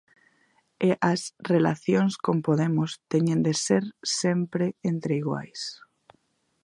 E as relacións con Podemos teñen de ser sempre entre iguais.